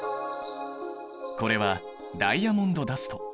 これはダイヤモンドダスト。